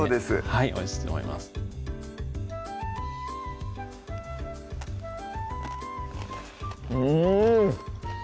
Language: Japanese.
はいおいしいと思いますうん！